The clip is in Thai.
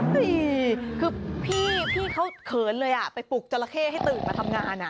เฮ้ยคือพี่เขาเขินเลยไปปลุกจราเข้ให้ตึกมาทำงาน